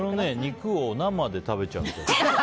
肉を生で食べちゃうことに。